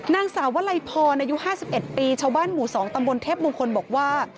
นางสาววลัยพรอายุ๕๑ปีชาวบ้านหมู่๒ตำบลเทพมงคลบอกว่า